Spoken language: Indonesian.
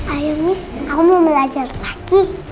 ayo miss aku mau belajar lagi